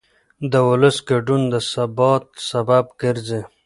د ولس ګډون د ثبات سبب ګرځي